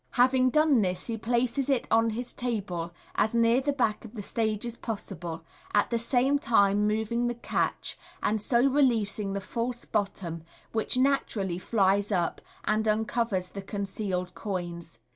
Having done this, he places it on his table, as near the back of the stage as possible, at the same time moving the catch, and so releasing the false bottom, which natu rally flies up, and uncovers the concealed coins.